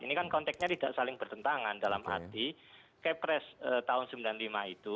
ini kan konteksnya tidak saling bertentangan dalam arti kepres tahun seribu sembilan ratus sembilan puluh lima itu